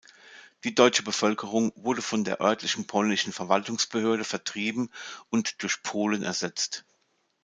Die deutsche Bevölkerung wurde von der örtlichen polnischen Verwaltungsbehörde vertrieben und durch Polen ersetzt.